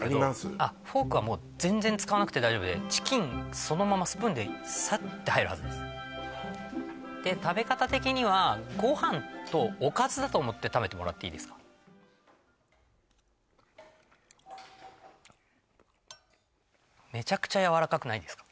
あっフォークはもう全然使わなくて大丈夫でチキンそのままスプーンでサッて入るはずですで食べ方的にはご飯とおかずだと思って食べてもらっていいですかメチャクチャやわらかくないですか？